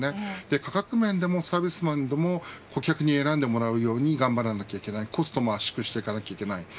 価格面でもサービス面でも顧客に選んでもらうように頑張らなきゃいけないコストも圧縮しなきゃいけない。